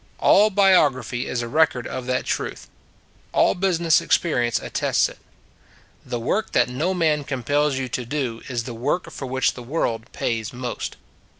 All biography is a record of that truth: all business experience attests it. The work that no man compels you to do is the work for which the world pays most.